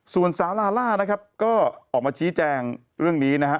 ส่วนสาวลาล่านะครับก็ออกมาชี้แจงเรื่องนี้นะฮะ